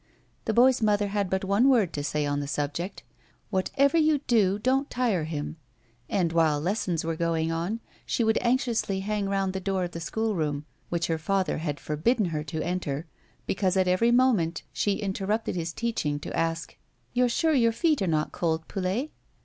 The boy's mother had but one word to say on the subject —" Whatever you do, don't tire him," and, while lessons were going on, she would anxiously hang round the door of the schoolroom, which her father had forbidden her to enter because, at every moment, she interrapted his teaching to ask :" You're sure your feet are not cold, Poulet